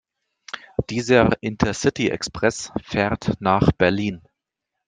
Dieser Intercity-Express fährt nach Berlin.